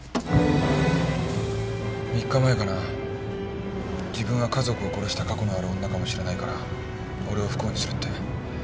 ３日前から自分は家族を殺した過去のある女かもしれないから俺を不幸にするって。